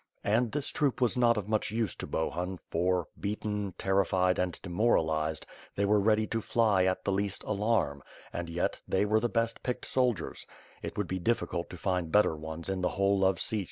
And this troop was not of much use to Bohun for, beaten, terrified, and demoralized, they were ready to fly at the least alarm, and, yet, they were the best picked soldiers; it would be difficult to find better ones in the whole of Hich.